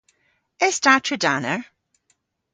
Es ta tredaner?